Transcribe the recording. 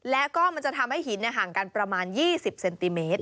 แล้วก็มันจะทำให้หินห่างกันประมาณ๒๐เซนติเมตร